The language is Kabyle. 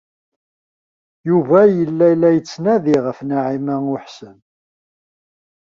Yuba yella la yettnadi ɣef Naɛima u Ḥsen.